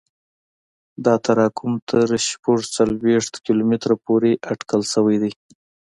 دا تراکم تر شپږ څلوېښت کیلومتره پورې اټکل شوی دی